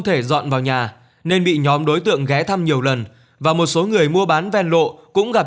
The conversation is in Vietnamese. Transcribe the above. thể dọn vào nhà nên bị nhóm đối tượng ghé thăm nhiều lần và một số người mua bán ven lộ cũng gặp